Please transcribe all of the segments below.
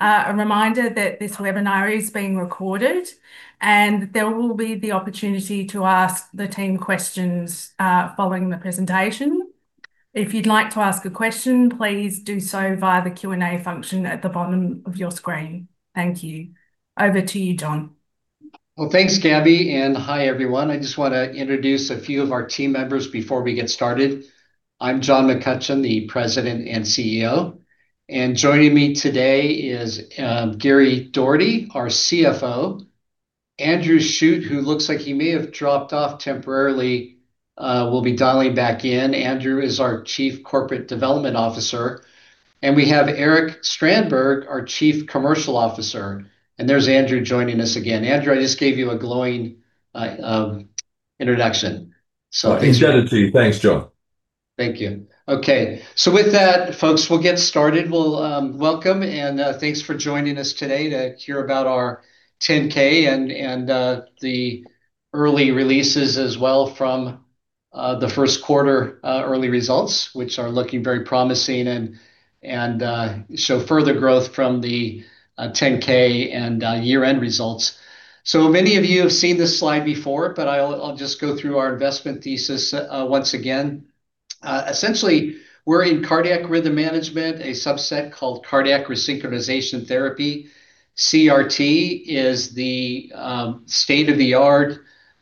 Yes. A reminder that this webinar is being recorded, and there will be the opportunity to ask the team questions, following the presentation. If you'd like to ask a question, please do so via the Q&A function at the bottom of your screen. Thank you. Over to you, John. Well, thanks, Gabby, and hi, everyone. I just wanna introduce a few of our team members before we get started. I'm John McCutcheon, the President and CEO. Joining me today is Gary Doherty, our CFO. Andrew Shute, who looks like he may have dropped off temporarily, will be dialing back in. Andrew is our Chief Corporate Development Officer. We have Erik Strandberg, our Chief Commercial Officer. There's Andrew joining us again. Andrew, I just gave you a glowing introduction. I extend it to you. Thanks, John. Thank you. Okay. With that, folks, we'll get started. We'll welcome and thanks for joining us today to hear about our 10-K and the early releases as well from the first quarter early results, which are looking very promising and show further growth from the 10-K and year-end results. Many of you have seen this slide before, but I'll just go through our investment thesis once again. Essentially, we're in cardiac rhythm management, a subset called cardiac resynchronization therapy. CRT is the state-of-the-art,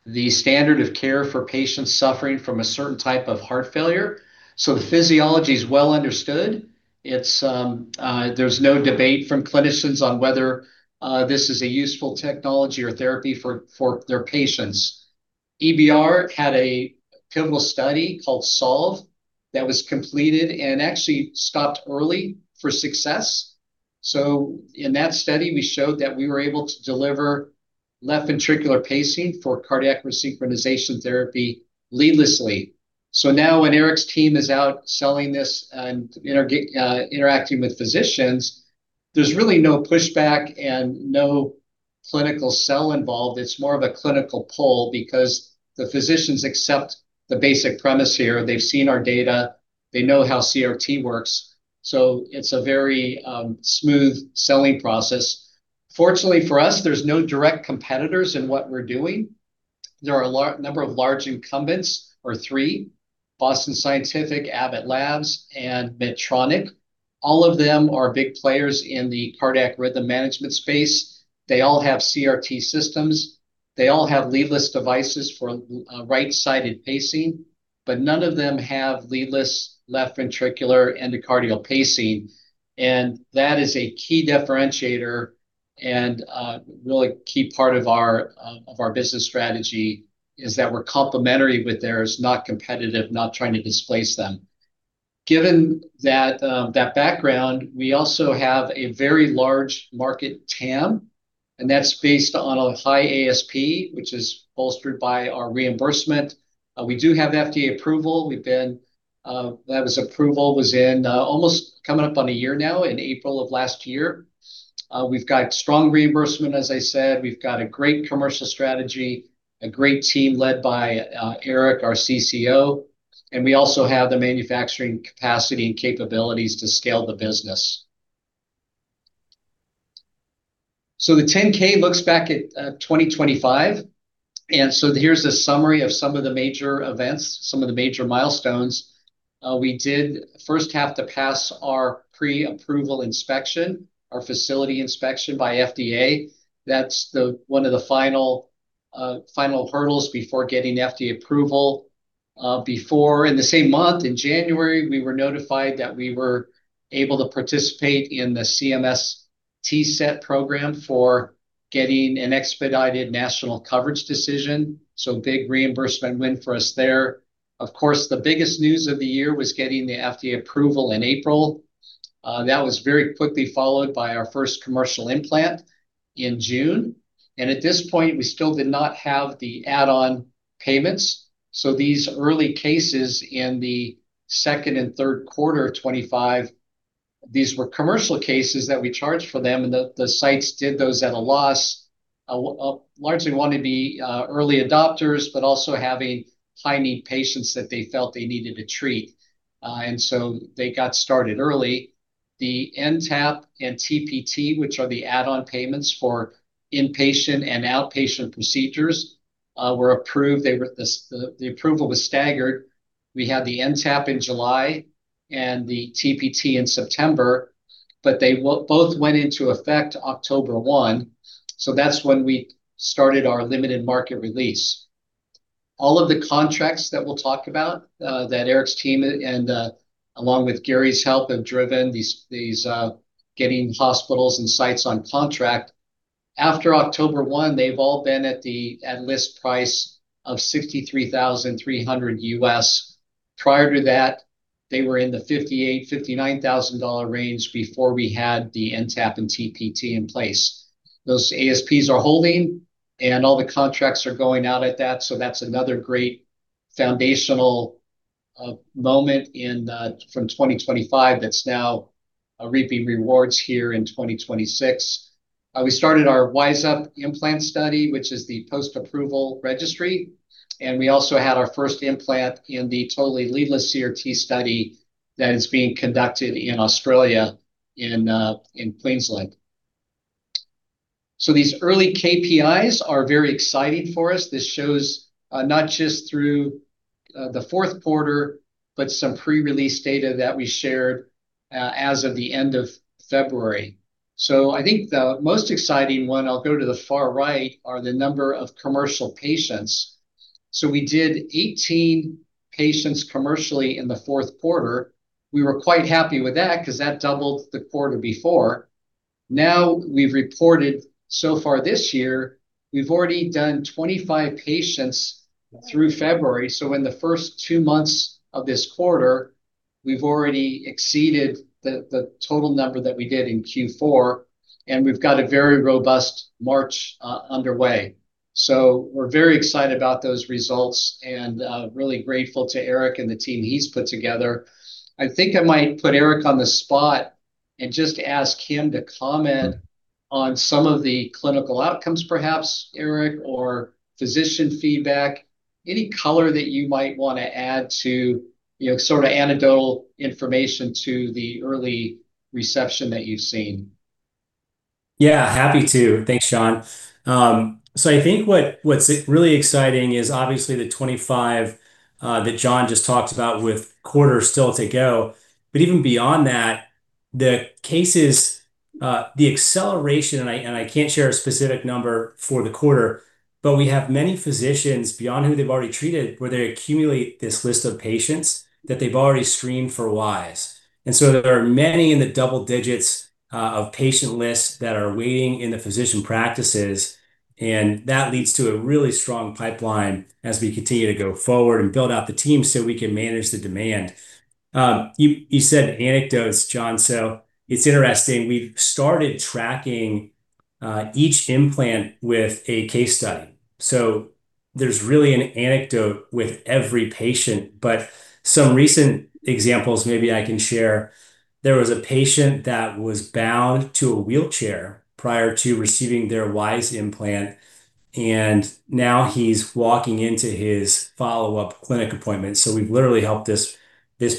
the standard of care for patients suffering from a certain type of heart failure. The physiology is well understood. It's. There's no debate from clinicians on whether this is a useful technology or therapy for their patients. EBR had a pivotal study called SOLVE that was completed and actually stopped early for success. In that study, we showed that we were able to deliver left ventricular pacing for cardiac resynchronization therapy leadlessly. Now when Erik's team is out selling this and interacting with physicians, there's really no pushback and no clinical sell involved. It's more of a clinical pull because the physicians accept the basic premise here. They've seen our data. They know how CRT works. It's a very smooth selling process. Fortunately for us, there's no direct competitors in what we're doing. There are a number of large incumbents or three: Boston Scientific, Abbott Labs, and Medtronic. All of them are big players in the cardiac rhythm management space. They all have CRT systems. They all have leadless devices for right-sided pacing, but none of them have leadless left ventricular endocardial pacing, and that is a key differentiator and a really key part of our business strategy is that we're complementary with theirs, not competitive, not trying to displace them. Given that background, we also have a very large market TAM, and that's based on a high ASP, which is bolstered by our reimbursement. We do have FDA approval. That approval was in almost coming up on a year now in April of last year. We've got strong reimbursement, as I said. We've got a great commercial strategy, a great team led by Erik, our CCO, and we also have the manufacturing capacity and capabilities to scale the business. The 10-K looks back at 2025, here's a summary of some of the major events, some of the major milestones. We did first have to pass our pre-approval inspection, our facility inspection by FDA. That's one of the final hurdles before getting FDA approval. In the same month, in January, we were notified that we were able to participate in the CMS TCET program for getting an expedited National Coverage Decision. Big reimbursement win for us there. Of course, the biggest news of the year was getting the FDA approval in April. That was very quickly followed by our first commercial implant in June. At this point, we still did not have the add-on payments. These early cases in the second and third quarter of 2025, these were commercial cases that we charged for them, and the sites did those at a loss. Largely wanting to be early adopters, but also having high-need patients that they felt they needed to treat. They got started early. The NTAP and TPT, which are the add-on payments for inpatient and outpatient procedures, were approved. The approval was staggered. We had the NTAP in July and the TPT in September, but they both went into effect October 1. That's when we started our limited market release. All of the contracts that we'll talk about that Erik's team and along with Gary's help have driven these getting hospitals and sites on contract. After October 1, they've all been at list price of $63,300. Prior to that, they were in the $58,000-$59,000 range before we had the NTAP and TPT in place. Those ASPs are holding, and all the contracts are going out at that. That's another great foundational moment in from 2025 that's now reaping rewards here in 2026. We started our WiSE-UP implant study, which is the post-approval registry, and we also had our first implant in the Totally Leadless CRT study that is being conducted in Australia in Queensland. These early KPIs are very exciting for us. This shows not just through the fourth quarter, but some pre-release data that we shared as of the end of February. I think the most exciting one, I'll go to the far right, are the number of commercial patients. We did 18 patients commercially in the fourth quarter. We were quite happy with that because that doubled the quarter before. Now we've reported so far this year, we've already done 25 patients through February. In the first two months of this quarter, we've already exceeded the total number that we did in Q4, and we've got a very robust March underway. We're very excited about those results and really grateful to Erik and the team he's put together. I think I might put Erik on the spot and just ask him to comment. Mm-hmm on some of the clinical outcomes, perhaps Erik, or physician feedback. Any color that you might wanna add to, you know, sort of anecdotal information to the early reception that you've seen. Yeah, happy to. Thanks, John. So I think what's really exciting is obviously the 25 that John just talked about with quarter still to go, but even beyond that, the cases, the acceleration, and I can't share a specific number for the quarter, but we have many physicians beyond who they've already treated, where they accumulate this list of patients that they've already screened for WiSE. There are many in the double digits of patient lists that are waiting in the physician practices, and that leads to a really strong pipeline as we continue to go forward and build out the team so we can manage the demand. You said anecdotes, John, so it's interesting. We've started tracking each implant with a case study, so there's really an anecdote with every patient. Some recent examples maybe I can share. There was a patient that was bound to a wheelchair prior to receiving their WiSE implant, and now he's walking into his follow-up clinic appointment. We've literally helped this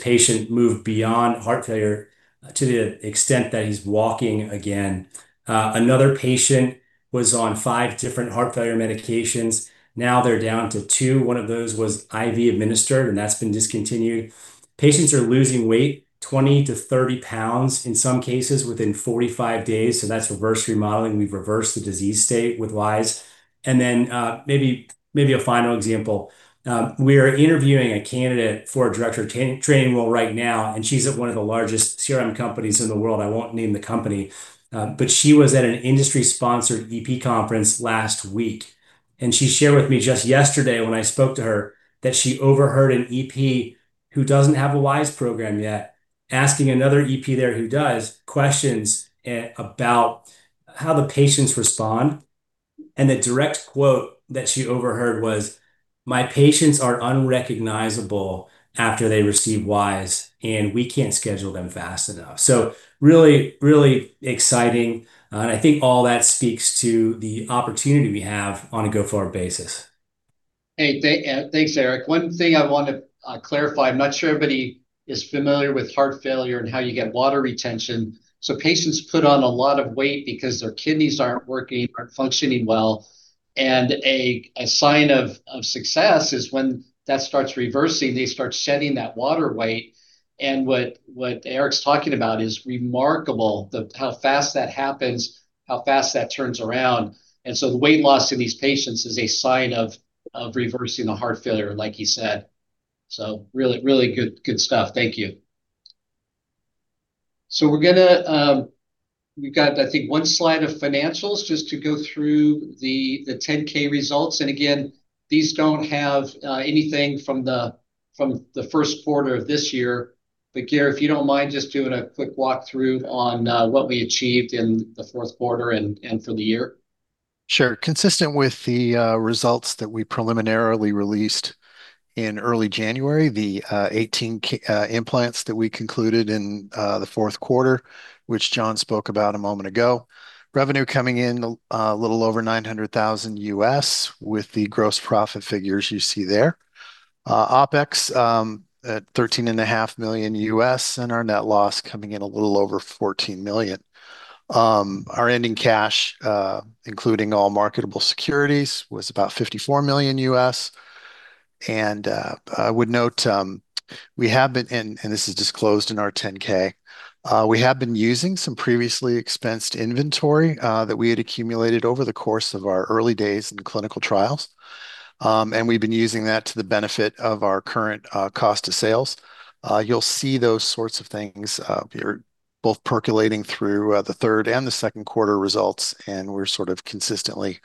patient move beyond heart failure to the extent that he's walking again. Another patient was on five different heart failure medications. Now they're down to two. One of those was IV administered, and that's been discontinued. Patients are losing weight, 20 lbs to 30 lbs in some cases within 45 days. That's reverse remodeling. We've reversed the disease state with WiSE. Maybe a final example. We are interviewing a candidate for a director training role right now, and she's at one of the largest CRM companies in the world. I won't name the company. She was at an industry-sponsored EP conference last week, and she shared with me just yesterday when I spoke to her that she overheard an EP who doesn't have a WiSE program yet asking another EP there who does questions about how the patients respond. The direct quote that she overheard was, "My patients are unrecognizable after they receive WiSE, and we can't schedule them fast enough." Really, really exciting, and I think all that speaks to the opportunity we have on a go-forward basis. Hey, thanks, Erik. One thing I want to clarify, I'm not sure everybody is familiar with heart failure and how you get water retention. Patients put on a lot of weight because their kidneys aren't working, aren't functioning well. A sign of success is when that starts reversing, they start shedding that water weight. What Erik's talking about is remarkable, how fast that happens, how fast that turns around. The weight loss in these patients is a sign of reversing the heart failure, like he said. Really good stuff. Thank you. We're gonna. We've got, I think, one slide of financials just to go through the 10-K results. These don't have anything from the first quarter of this year. Gary, if you don't mind just doing a quick walk-through on what we achieved in the fourth quarter and for the year. Sure. Consistent with the results that we preliminarily released in early January, the 18 implants that we concluded in the fourth quarter, which John spoke about a moment ago. Revenue coming in a little over $900,000 with the gross profit figures you see there. OpEx at $13.5 million, and our net loss coming in a little over $14 million. Our ending cash, including all marketable securities, was about $54 million. I would note, and this is disclosed in our 10-K. We have been using some previously expensed inventory that we had accumulated over the course of our early days in clinical trials. We've been using that to the benefit of our current cost of sales. You'll see those sorts of things, both percolating through the third and the second quarter results, and we're sort of consistently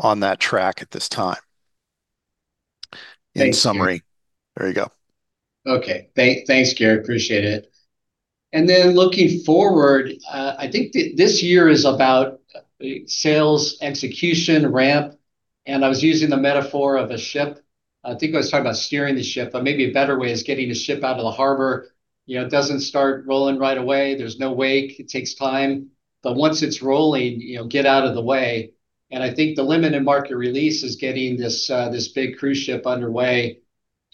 on that track at this time. Thanks. In summary. There you go. Okay. Thanks, Gary. Appreciate it. Looking forward, I think this year is about sales execution ramp. I was using the metaphor of a ship. I think I was talking about steering the ship, but maybe a better way is getting a ship out of the harbor. You know, it doesn't start rolling right away. There's no wake. It takes time. Once it's rolling, you know, get out of the way. I think the limited market release is getting this big cruise ship underway.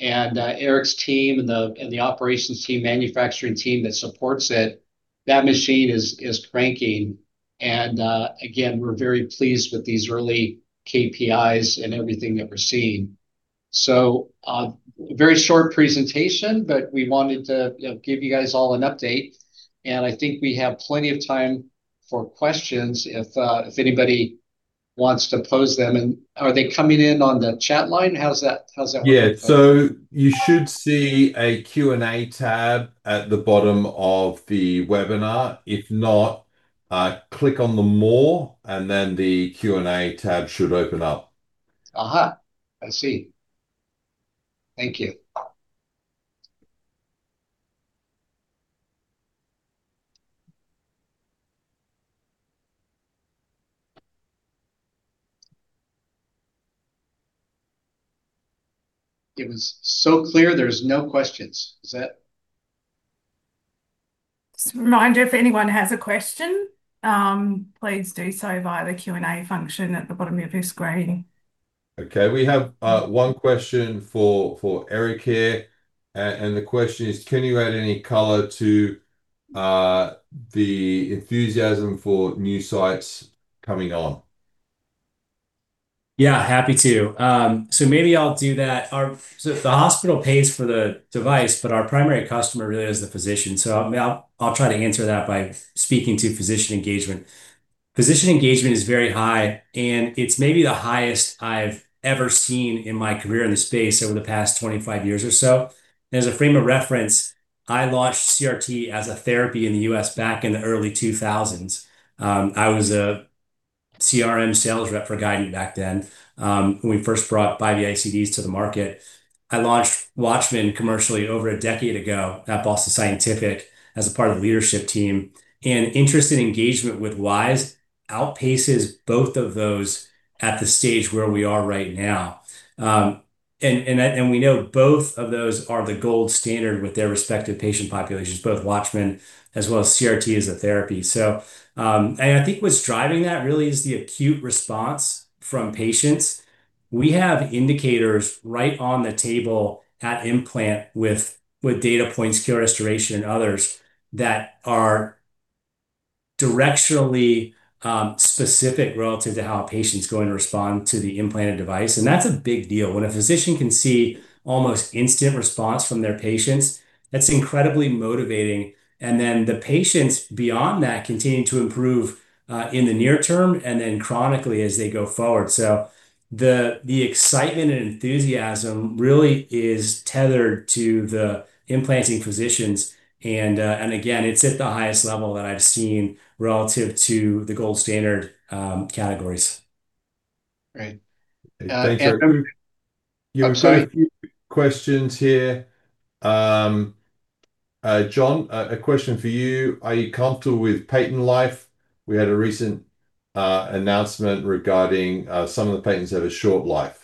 Erik's team and the operations team, manufacturing team that supports it, that machine is cranking. Again, we're very pleased with these early KPIs and everything that we're seeing. Very short presentation, but we wanted to, you know, give you guys all an update, and I think we have plenty of time for questions if anybody wants to pose them. Are they coming in on the chat line? How's that working? Yeah. You should see a Q&A tab at the bottom of the webinar. If not, click on the More, and then the Q&A tab should open up. I see. Thank you. It was so clear. There's no questions. Is that. Just a reminder, if anyone has a question, please do so via the Q&A function at the bottom of your screen. Okay. We have one question for Erik here, and the question is: Can you add any color to the enthusiasm for new sites coming on? Yeah. Happy to. Maybe I'll do that. If the hospital pays for the device, but our primary customer really is the physician. I'll try to answer that by speaking to physician engagement. Physician engagement is very high, and it's maybe the highest I've ever seen in my career in this space over the past 25 years or so. As a frame of reference, I launched CRT as a therapy in the U.S. back in the early 2000s. I was a CRM sales rep for Guidant back then, when we first brought Biventricular ICDs to the market. I launched Watchman commercially over a decade ago at Boston Scientific as a part of leadership team. Interest and engagement with WiSE outpaces both of those at the stage where we are right now. We know both of those are the gold standard with their respective patient populations, both Watchman as well as CRT as a therapy. I think what's driving that really is the acute response from patients. We have indicators right on the table at implant with data points, QRS restoration and others, that are directionally specific relative to how a patient's going to respond to the implanted device, and that's a big deal. When a physician can see almost instant response from their patients, that's incredibly motivating. The patients beyond that continue to improve in the near term and then chronically as they go forward. The excitement and enthusiasm really is tethered to the implanting physicians. Again, it's at the highest level that I've seen relative to the gold standard categories. Great. Thanks, Erik. I'm sorry. Yeah, we've got a few questions here. John, a question for you. Are you comfortable with patent life? We had a recent announcement regarding some of the patents have a short life.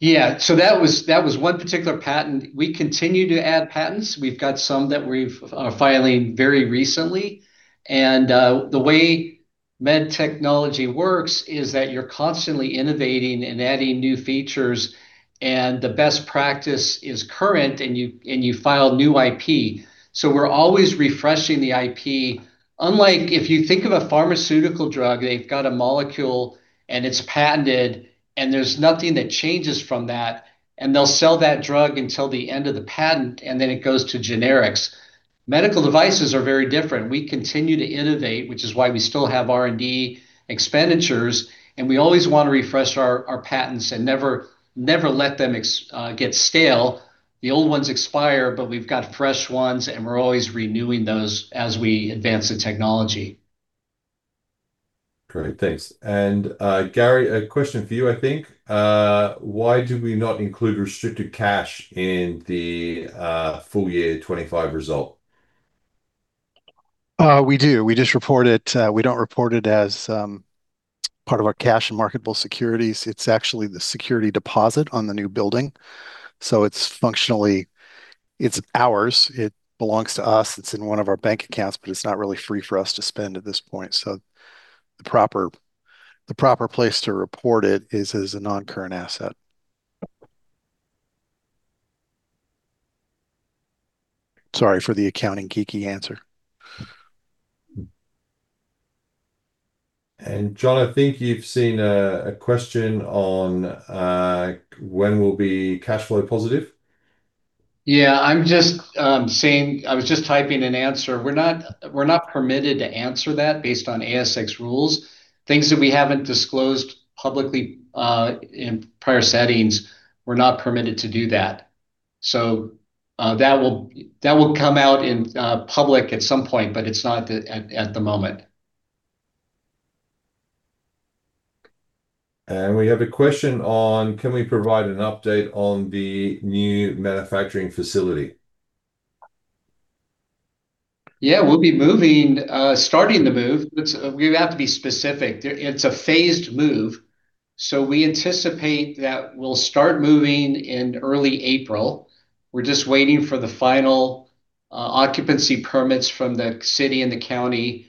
Yeah. That was one particular patent. We continue to add patents. We've got some that we're filing very recently. The way med technology works is that you're constantly innovating and adding new features, and the best practice is to keep current, and you file new IP. We're always refreshing the IP. Unlike if you think of a pharmaceutical drug, they've got a molecule, and it's patented, and there's nothing that changes from that, and they'll sell that drug until the end of the patent, and then it goes to generics. Medical devices are very different. We continue to innovate, which is why we still have R&D expenditures, and we always want to refresh our patents and never let them get stale. The old ones expire, but we've got fresh ones, and we're always renewing those as we advance the technology. Great. Thanks. Gary, a question for you, I think. Why do we not include restricted cash in the full year 2025 result? We do. We just report it. We don't report it as part of our cash and marketable securities. It's actually the security deposit on the new building. It's functionally ours. It belongs to us. It's in one of our bank accounts, but it's not really free for us to spend at this point. The proper place to report it is as a non-current asset. Sorry for the accounting geeky answer. John, I think you've seen a question on when we'll be cash flow positive. Yeah. I was just typing an answer. We're not permitted to answer that based on ASX rules. Things that we haven't disclosed publicly in prior settings, we're not permitted to do that. That will come out in public at some point, but it's not at the moment. We have a question: Can we provide an update on the new manufacturing facility? Yeah, we'll be moving, starting to move. We have to be specific. It's a phased move, so we anticipate that we'll start moving in early April. We're just waiting for the final occupancy permits from the city and the county,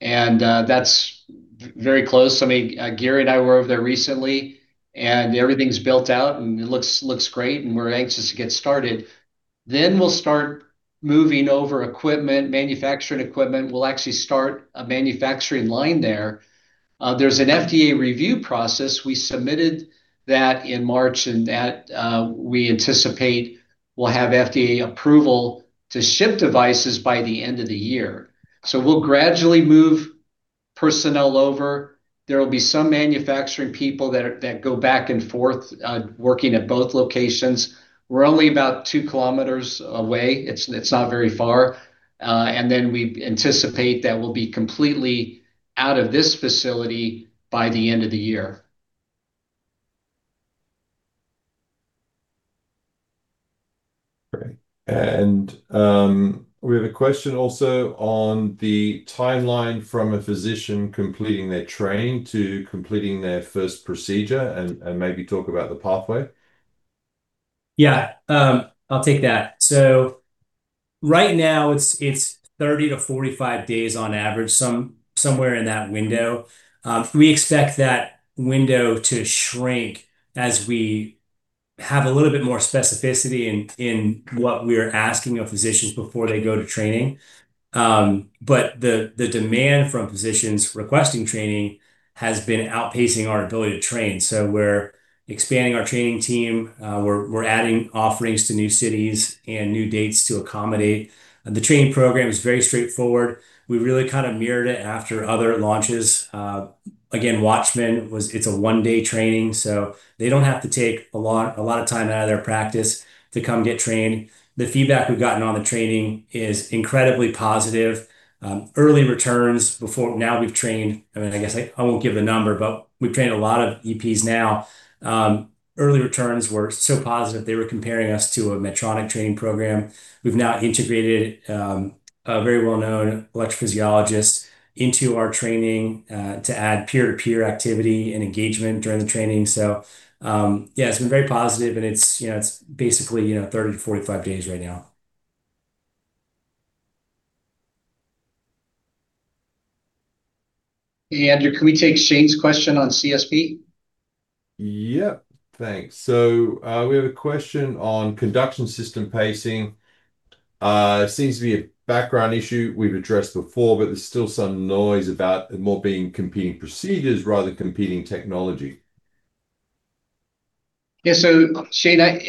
and that's very close. I mean, Gary and I were over there recently, and everything's built out, and it looks great, and we're anxious to get started. We'll start moving over equipment, manufacturing equipment. We'll actually start a manufacturing line there. There's an FDA review process. We submitted that in March, and that, we anticipate we'll have FDA approval to ship devices by the end of the year. We'll gradually move personnel over. There will be some manufacturing people that go back and forth, working at both locations. We're only about two kilometers away. It's not very far. We anticipate that we'll be completely out of this facility by the end of the year. Great. We have a question also on the timeline from a physician completing their training to completing their first procedure and maybe talk about the pathway. I'll take that. Right now it's 30-45 days on average, somewhere in that window. We expect that window to shrink as we have a little bit more specificity in what we're asking of physicians before they go to training. The demand from physicians requesting training has been outpacing our ability to train. We're expanding our training team. We're adding offerings to new cities and new dates to accommodate. The training program is very straightforward. We really kind of mirrored it after other launches. Watchman was. It's a one-day training, so they don't have to take a lot of time out of their practice to come get trained. The feedback we've gotten on the training is incredibly positive. Early returns before now we've trained. I mean, I guess I won't give the number, but we've trained a lot of EPs now. Early returns were so positive, they were comparing us to a Medtronic training program. We've now integrated a very well-known electrophysiologist into our training to add peer-to-peer activity and engagement during the training. Yeah, it's been very positive and it's, you know, it's basically, you know, 30-45 days right now. Hey, Andrew, can we take Shane's question on CSP? Yep. Thanks. We have a question on Conduction System Pacing. It seems to be a background issue we've addressed before, but there's still some noise about it more being competing procedures rather than competing technology. Yeah. Shane,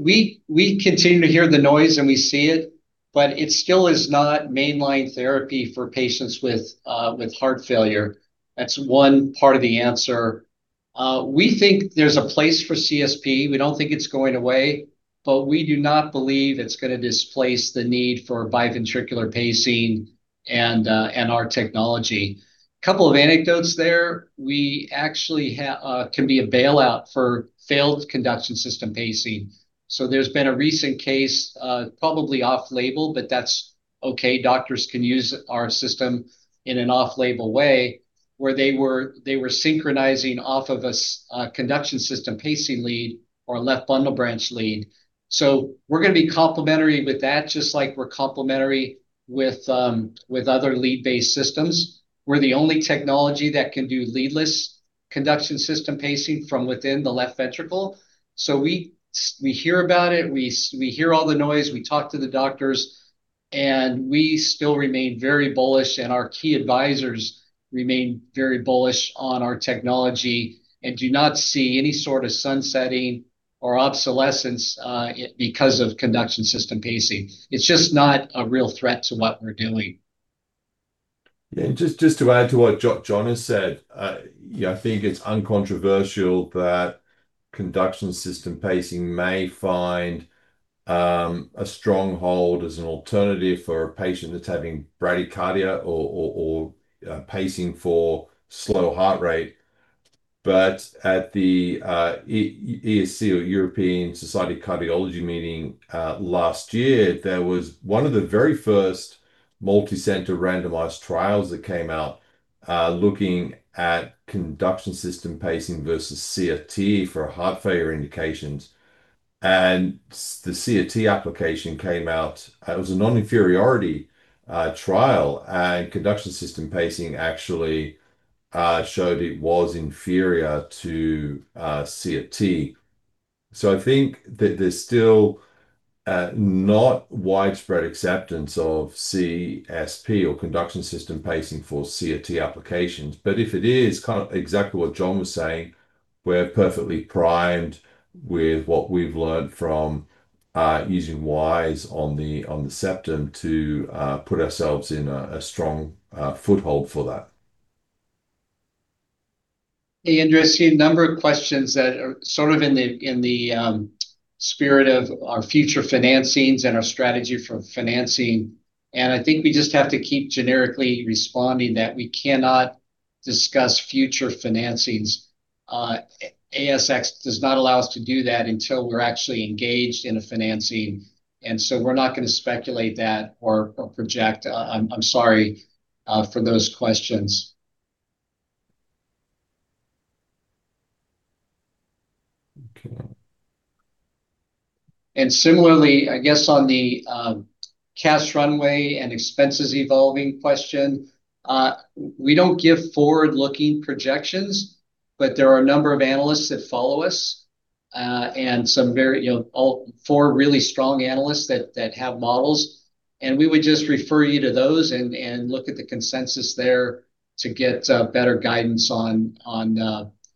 we continue to hear the noise and we see it, but it still is not mainline therapy for patients with heart failure. That's one part of the answer. We think there's a place for CSP. We don't think it's going away, but we do not believe it's gonna displace the need for biventricular pacing and our technology. Couple of anecdotes there. We actually can be a bailout for failed Conduction System Pacing. There's been a recent case, probably off-label, but that's okay. Doctors can use our system in an off-label way, where they were synchronizing off of a Conduction System Pacing lead or a left bundle branch lead. We're gonna be complementary with that, just like we're complementary with other lead-based systems. We're the only technology that can do leadless Conduction System Pacing from within the left ventricle. We hear about it, we hear all the noise, we talk to the doctors, and we still remain very bullish, and our key advisors remain very bullish on our technology and do not see any sort of sunsetting or obsolescence because of Conduction System Pacing. It's just not a real threat to what we're doing. Yeah. Just to add to what John has said, yeah, I think it's uncontroversial that Conduction System Pacing may find a stronghold as an alternative for a patient that's having bradycardia or pacing for slow heart rate. At the ESC, European Society of Cardiology meeting last year, there was one of the very first multicenter randomized trials that came out looking at Conduction System Pacing versus CRT for heart failure indications. The CRT application came out. It was a non-inferiority trial, and Conduction System Pacing actually showed it was inferior to CRT. I think that there's still not widespread acceptance of CSP or Conduction System Pacing for CRT applications. If it is kind of exactly what John was saying, we're perfectly primed with what we've learned from using WiSE on the septum to put ourselves in a strong foothold for that. Hey, Andrew. I see a number of questions that are sort of in the spirit of our future financings and our strategy for financing, and I think we just have to keep generically responding that we cannot discuss future financings. ASX does not allow us to do that until we're actually engaged in a financing, and so we're not gonna speculate that or project. I'm sorry for those questions. Okay. Similarly, I guess on the cash runway and expenses evolving question, we don't give forward-looking projections, but there are a number of analysts that follow us, and some very, you know, all four really strong analysts that have models, and we would just refer you to those and look at the consensus there to get better guidance on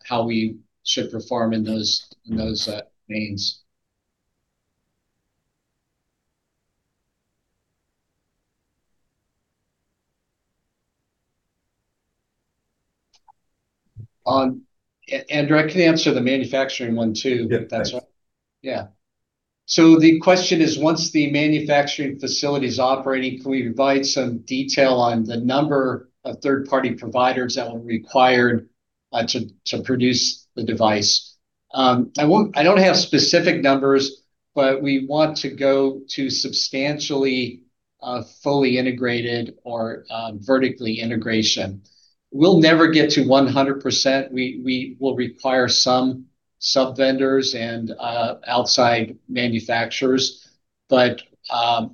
how we should perform in those veins. I can answer the manufacturing one too. Yeah. Thanks... if that's all. Yeah. The question is, "Once the manufacturing facility's operating, can we provide some detail on the number of third-party providers that were required to produce the device?" I don't have specific numbers, but we want to go to substantially fully integrated or vertical integration. We'll never get to 100%. We will require some sub-vendors and outside manufacturers. I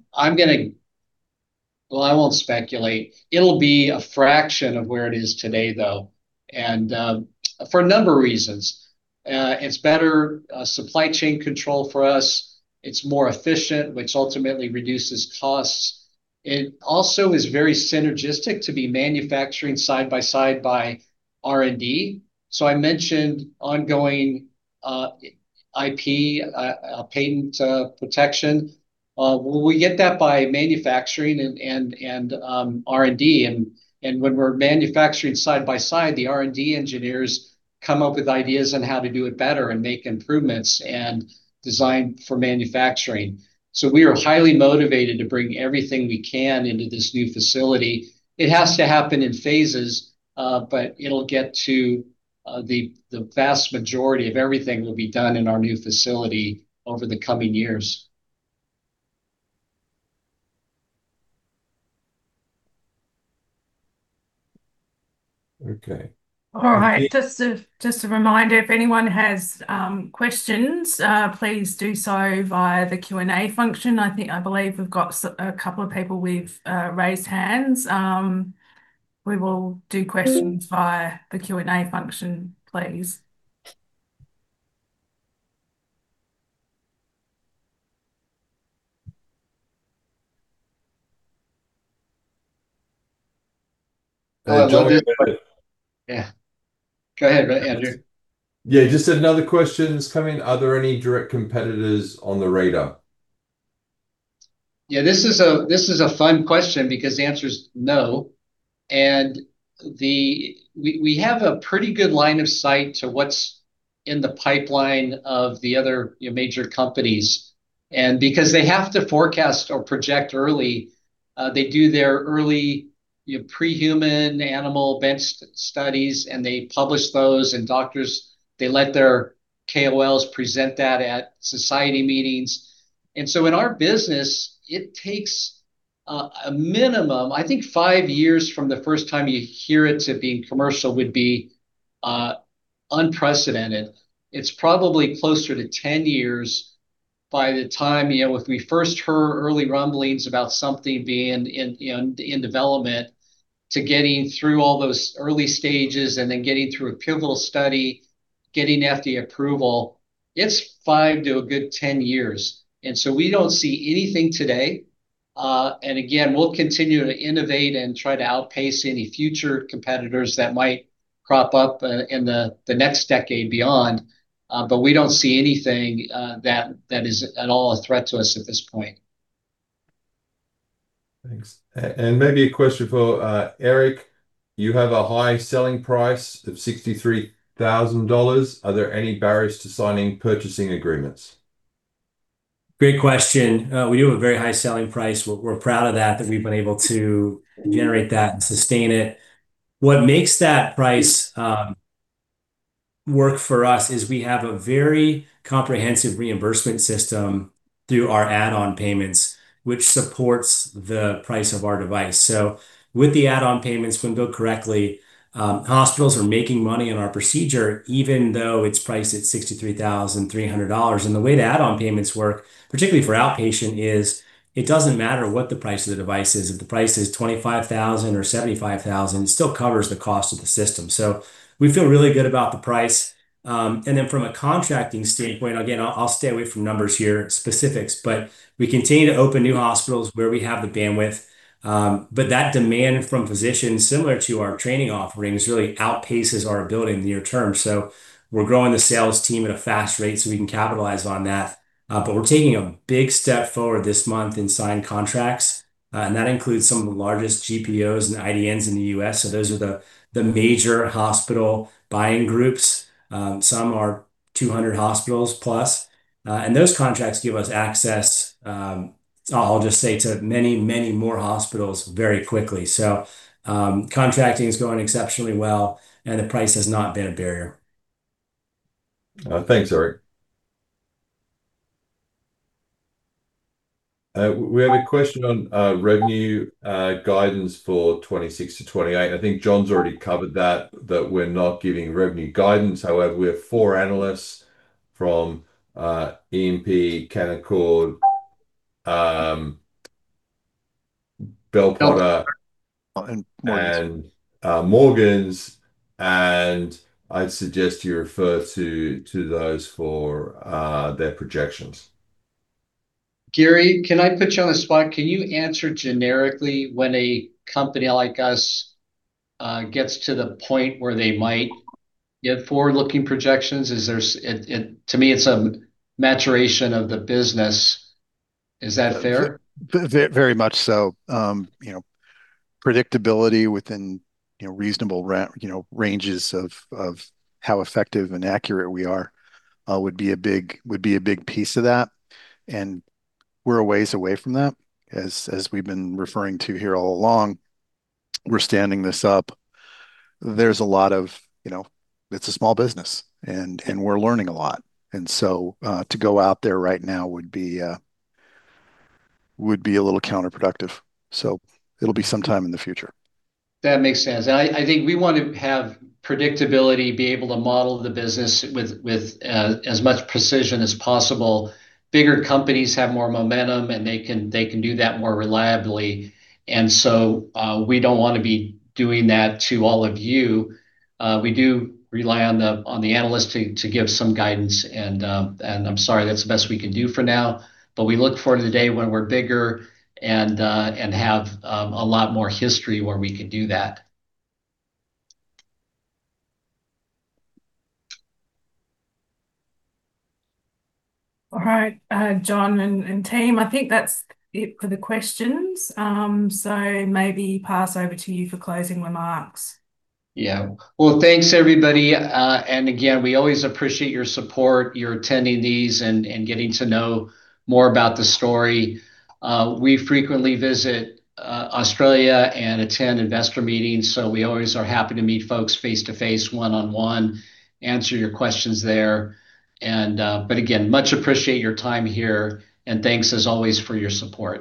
won't speculate. It'll be a fraction of where it is today, though, and for a number of reasons. It's better supply chain control for us. It's more efficient, which ultimately reduces costs. It also is very synergistic to be manufacturing side by side by R&D. I mentioned ongoing IP patent protection. We get that by manufacturing and R&D. When we're manufacturing side by side, the R&D engineers come up with ideas on how to do it better and make improvements and design for manufacturing. We are highly motivated to bring everything we can into this new facility. It has to happen in phases, but it'll get to the vast majority of everything will be done in our new facility over the coming years. Okay. All right. Just a reminder, if anyone has questions, please do so via the Q&A function. I think, I believe we've got a couple of people with raised hands. We will do questions via the Q&A function, please. John. Yeah. Go ahead, Andrew. Yeah, just another question's come in, "Are there any direct competitors on the radar?" Yeah. This is a fun question because the answer's no. We have a pretty good line of sight to what's in the pipeline of the other, you know, major companies. Because they have to forecast or project early, they do their early, you know, pre-human animal bench studies, and they publish those. Doctors, they let their KOLs present that at society meetings. In our business, it takes a minimum, I think five years from the first time you hear it to being commercial would be unprecedented. It's probably closer to 10 years by the time, you know, if we first heard early rumblings about something being in development, to getting through all those early stages and then getting through a pivotal study, getting FDA approval. It's five to a good 10 years. We don't see anything today. We'll continue to innovate and try to outpace any future competitors that might crop up in the next decade beyond. We don't see anything that is at all a threat to us at this point. Thanks. Maybe a question for Erik. "You have a high selling price of $63,000. Are there any barriers to signing purchasing agreements?" Great question. We do have a very high selling price. We're proud of that we've been able to generate that and sustain it. What makes that price work for us is we have a very comprehensive reimbursement system through our add-on payments, which supports the price of our device. With the add-on payments, when billed correctly, hospitals are making money on our procedure, even though it's priced at $63,300. The way the add-on payments work, particularly for outpatient, is it doesn't matter what the price of the device is. If the price is $25,000 or $75,000, it still covers the cost of the system. We feel really good about the price. From a contracting standpoint, again, I'll stay away from numbers here, specifics, but we continue to open new hospitals where we have the bandwidth. That demand from physicians, similar to our training offerings, really outpaces our ability in the near term. We're growing the sales team at a fast rate, so we can capitalize on that. We're taking a big step forward this month in signed contracts, and that includes some of the largest GPOs and IDNs in the U.S. Those are the major hospital buying groups. 200+ hospitals. Those contracts give us access, I'll just say to many, many more hospitals very quickly. Contracting is going exceptionally well, and the price has not been a barrier. Thanks, Erik. We have a question on revenue guidance for 2026 to 2028. I think John's already covered that we're not giving revenue guidance. However, we have four analysts from EMP, Canaccord, Bell Potter. Morgans.... and, Morgans. I'd suggest you refer to those for their projections. Gary, can I put you on the spot? Can you answer generically when a company like us gets to the point where they might give forward-looking projections? To me, it's a maturation of the business. Is that fair? Very much so. You know, predictability within, you know, reasonable ranges of how effective and accurate we are would be a big piece of that. We're a ways away from that, as we've been referring to here all along. We're standing this up. There's a lot of, you know, it's a small business and we're learning a lot. To go out there right now would be a little counterproductive, so it'll be some time in the future. That makes sense. I think we want to have predictability, be able to model the business with as much precision as possible. Bigger companies have more momentum, and they can do that more reliably. We don't wanna be doing that to all of you. We do rely on the analysts to give some guidance and I'm sorry, that's the best we can do for now. We look forward to the day when we're bigger and have a lot more history where we can do that. All right. John and team, I think that's it for the questions. Maybe pass over to you for closing remarks. Yeah. Well, thanks everybody. Again, we always appreciate your support, your attending these and getting to know more about the story. We frequently visit Australia and attend investor meetings, so we always are happy to meet folks face-to-face, one-on-one, answer your questions there. Again, much appreciate your time here, and thanks as always for your support.